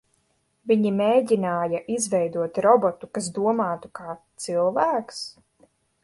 Viņi mēģināja izveidot robotu, kas domātu kā cilvēks?